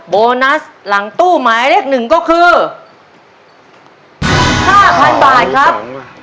โบนัสหลังตู้หมายเลข๑ก็คือ๕๐๐๐บาทครับ